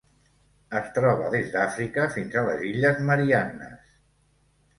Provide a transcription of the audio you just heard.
Es troba des d'Àfrica fins a les Illes Mariannes.